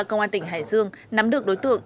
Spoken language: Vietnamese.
công an tp hcm nắm được đối tượng